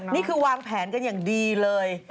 นี่คือวางแผนกันอย่างดีเลย